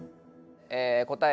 え答え